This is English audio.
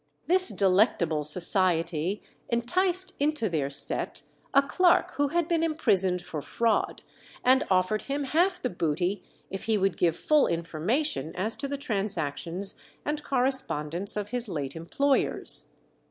This delectable society enticed into their set a clerk who had been imprisoned for fraud, and offered him half the booty if he would give full information as to the transactions and correspondence of his late employers.